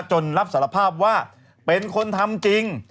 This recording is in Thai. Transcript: จนรับสารภาพว่าเป็นคนทำจริง